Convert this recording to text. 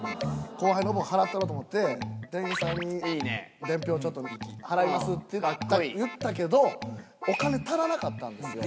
後輩の分払ったろと思って店員さんに伝票ちょっと払いますって言ったけどお金足らなかったんですよ。